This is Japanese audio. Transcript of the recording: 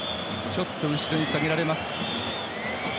ちょっと後ろに下げられます。